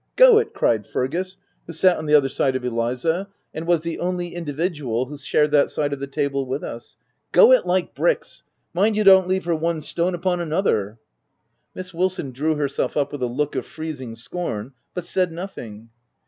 " Go it!' 5 cried Fergus, who sat on the other side of Eliza, and was the only individual who shared that side of the table with us ;" go it like bricks! mind you don't leave her one stone upon another.*' Miss Wilson drew herself up with a look of freezing scorn, but said nothing.